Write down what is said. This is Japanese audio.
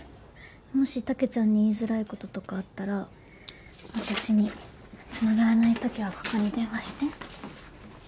もしたけちゃんに言いづらいこととかあったら私につながらないときはここに電話して。